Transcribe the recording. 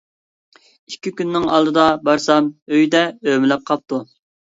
ئىككى كۈننىڭ ئالدىدا بارسام ئۆيدە ئۆمىلەپ قاپتۇ.